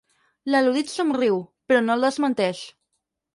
L'al·ludit somriu, però no el desmenteix.